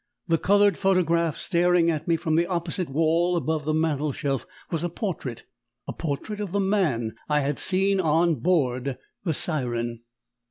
The coloured photograph, staring at me from the opposite wall above the mantelshelf, was a portrait a portrait of the man I had seen on board the _Siren!